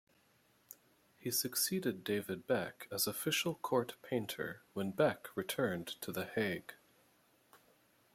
He succeeded David Beck as official court painter when Beck returned to The Hague.